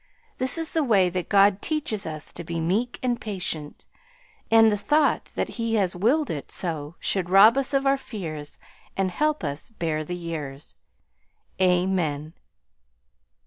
This is the way that God teaches us to be meek and patient, and the thought that He has willed it so should rob us of our fears and help us bear the years. Amen."